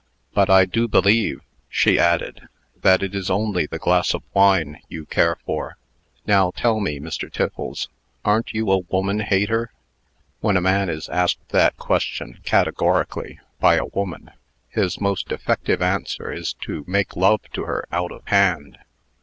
"But I do believe," she added, "that it is only the glass of wine you care for. Now tell me, Mr. Tiffles, aren't you a woman hater?" "When a man is asked that question, categorically, by a woman, his most effective answer is to make love to her out of hand.